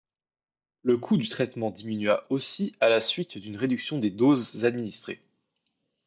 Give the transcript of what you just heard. Le coût du traitement diminua aussi à la suite d'une réduction des doses administrées.